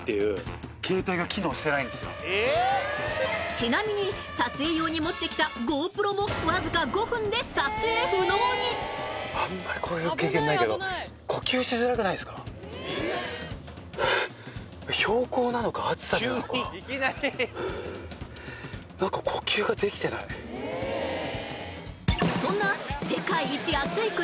ちなみに撮影用に持ってきたゴープロもわずかあんまりこういう経験ないけど標高なのか暑さなのかそんな世界一暑い国